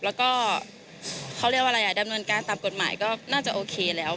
แล้วก็เขาเรียกว่าอะไรอ่ะดำเนินการตามกฎหมายก็น่าจะโอเคแล้ว